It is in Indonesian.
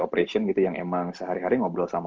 operation gitu yang emang sehari hari ngobrol sama